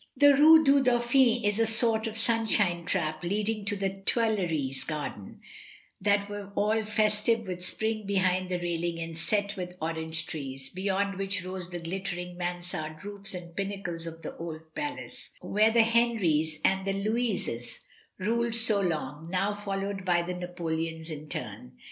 The Rue du Dauphin is a sort of sunshine trap leading to the Tuileries gardens, that were all festive with spring behind the railing and set with orange trees, beyond which rose the glittering mansard roofs and pinnacles of the old palace, where the Henrys and Louises ruled so long, now followed by the Napoleons in turn.